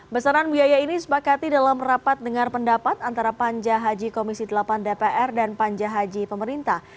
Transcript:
besaran biaya ini disepakati dalam rapat dengar pendapat antara panja haji komisi delapan dpr dan panja haji pemerintah